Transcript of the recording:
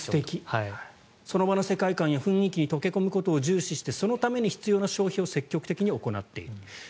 その場の世界観や雰囲気に溶け込むことを重視してそのために必要な消費を積極的に行っていると。